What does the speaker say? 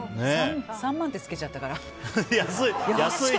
３万ってつけちゃったから。